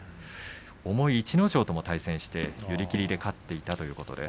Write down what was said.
重い逸ノ城とも対戦して寄り切りで勝っていたということです。